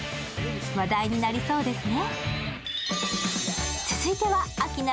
話題になりそうですね。